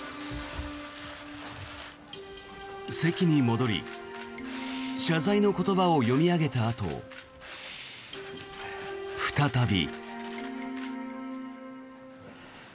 席に戻り、謝罪の言葉を読み上げたあと、再び。